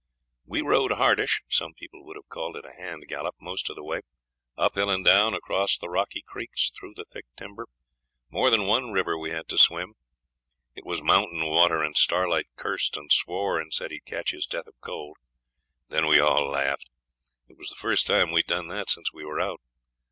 We rode hardish (some people would have called it a hand gallop) most of the way; up hill and down, across the rocky creeks, through thick timber. More than one river we had to swim. It was mountain water, and Starlight cursed and swore, and said he would catch his death of cold. Then we all laughed; it was the first time we'd done that since we were out.